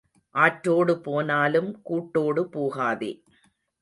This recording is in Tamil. ஆற்றோடு போனாலும் கூட்டோடு போகாதே.